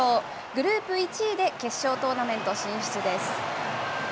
グループ１位で決勝トーナメント進出です。